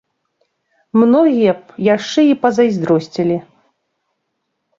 Многія б яшчэ і пазайздросцілі.